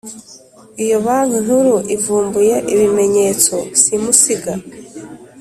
Iyo Banki Nkuru ivumbuye ibimenyetso simusiga